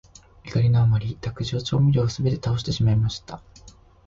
怒りのあまり、卓上調味料をすべて倒してしまいました。